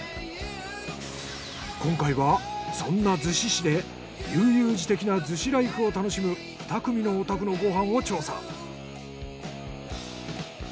今回はそんな逗子市で悠々自適な逗子ライフを楽しむ２組のお宅のご飯を調査。